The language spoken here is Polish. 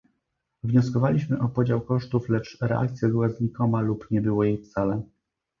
Wnioskowaliśmy o podział kosztów, lecz reakcja była znikoma lub nie było jej wcale